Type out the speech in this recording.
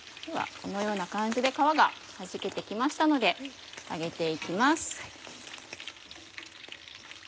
このような感じで皮がはじけて来ましたので上げて行きます。